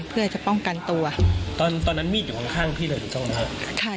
เพื่อจะป้องกันตัวตอนตอนนั้นมีดอยู่ข้างข้างพี่เลยถูกต้องไหมฮะค่ะ